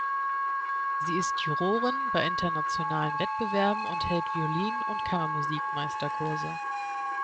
Sie ist Jurorin bei internationalen Wettbewerben und hält Violin- und Kammermusik-Meisterkurse.